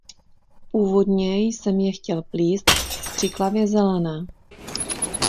Původně jsem je chtěl plíst z křiklavě zelené.